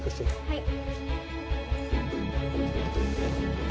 はい！